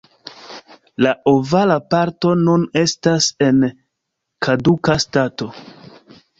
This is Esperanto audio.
La ovala parto nun estas en kaduka stato.